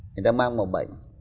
người ta mang một bệnh